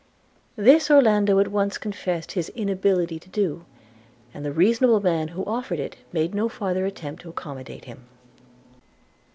This Orlando at once confessed his inability to do, and the reasonable man who offered it made no farther attempt to accommodate him.